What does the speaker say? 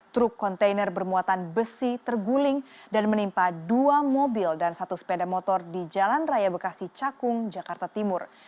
truk kontainer bermuatan besi terguling dan menimpa dua mobil dan satu sepeda motor di jalan raya bekasi cakung jakarta timur